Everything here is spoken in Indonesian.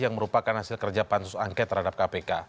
yang merupakan hasil kerja pansus angket terhadap kpk